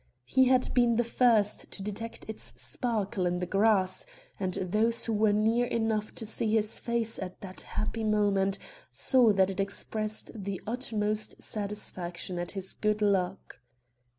He had been the first to detect its sparkle in the grass, and those who were near enough to see his face at that happy moment say that it expressed the utmost satisfaction at his good luck.